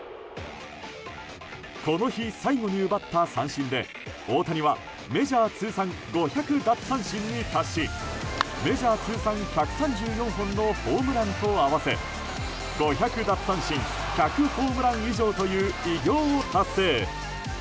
この日、最後に奪った三振で大谷はメジャー通算５００奪三振に達しメジャー通算１３４本のホームランと合わせ５００奪三振１００ホームラン以上という偉業を達成。